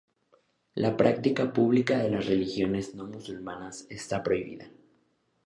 La práctica pública de las religiones no musulmanas está prohibida.